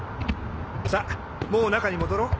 さっもう中に戻ろう。